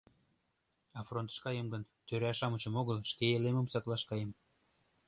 А фронтыш каем гын, тӧра-шамычым огыл, шке элемым саклаш каем.